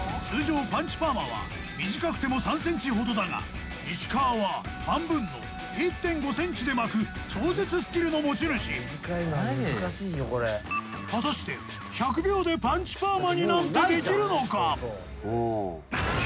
通常パンチパーマは短くても３ｃｍほどだが石川は半分の１．５ｃｍで巻く超絶スキルの持ち主果たして１００秒でパンチパーマになんてできるのか？